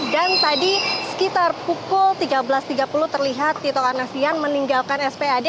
dan tadi sekitar pukul tiga belas tiga puluh terlihat tito arnasian meninggalkan rspad